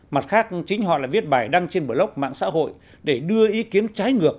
mặt khác chính họ là viết bài đăng trên blog mạng xã hội để đưa ý kiến trái ngược